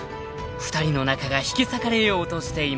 ［２人の仲が引き裂かれようとしています］